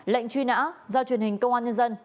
lệnh truy nã do truyền hình công an nhân dân